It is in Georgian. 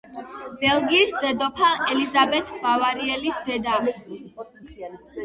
ბელგიის დედოფალ ელიზაბეთ ბავარიელის დედა.